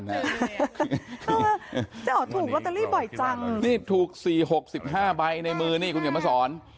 เจ้าอ๋อถูกลอตเตอรี่บ่อยจังนี่ถูกสี่หกสิบห้าใบในมือนี่คุณเขียนมาสอน